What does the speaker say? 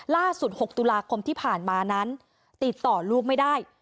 ๖ตุลาคมที่ผ่านมานั้นติดต่อลูกไม่ได้